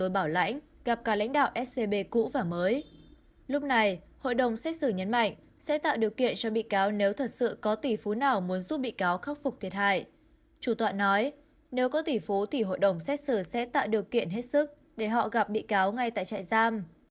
bà lan cũng xin hội đồng xét xử xem xét giúp thu tiền thuê với các nhà một mươi chín nguyễn huệ ở quận một tp hcm